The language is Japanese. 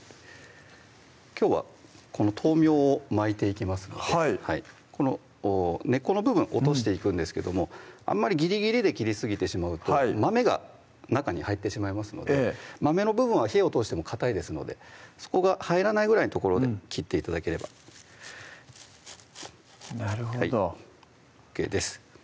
きょうはこの豆苗を巻いていきますのでこの根っこの部分落としていくんですけどもあんまりギリギリで切りすぎてしまうと豆が中に入ってしまいますので豆の部分は火を通してもかたいですのでそこが入らないぐらいの所で切って頂ければなるほどＯＫです